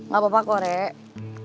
gak apa apa kok rek